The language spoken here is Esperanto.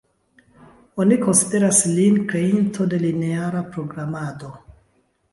Oni konsideras lin kreinto de lineara programado.